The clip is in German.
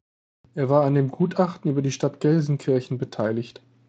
Er war an dem Gutachten über die Stadt Gelsenkirchen beteiligt.